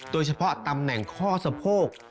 โดยเฉพาะตำแหน่งข้อสะโพก